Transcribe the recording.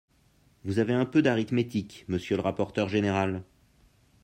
Vous avez un peu d’arithmétique, monsieur le rapporteur général.